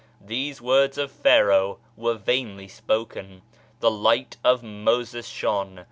These words of Pharaoh were vainly spoken. The Light of Moses shone.